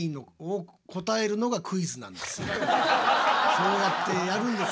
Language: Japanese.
そうやってやるんです。